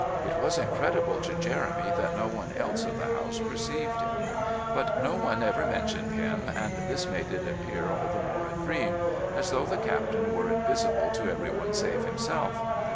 It was incredible to Jeremy that no one else of the house perceived him; but no one ever mentioned him, and this made it appear all the more a dream, as though the Captain were invisible to everyone save himself.